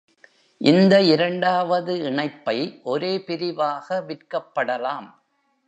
இந்த இரண்டாவது இணைப்பை ஒரே பிரிவாக விற்கப்படலாம்.